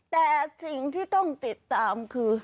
แต่สิ่งที่ต้องติดตามคือ